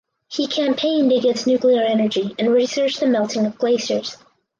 He campaigned against nuclear energy and researched the melting of glaciers.